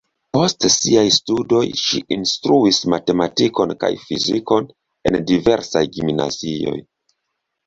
Post siaj studoj ŝi instruis matematikon kaj fizikon en diversaj gimnazioj.